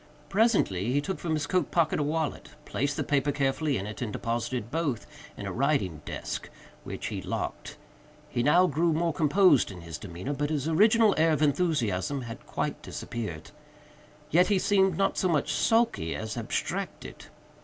Presently he took from his coat pocket a wallet, placed the paper carefully in it, and deposited both in a writing desk, which he locked. He now grew more composed in his demeanor; but his original air of enthusiasm had quite disappeared. Yet he seemed not so much sulky as abstracted.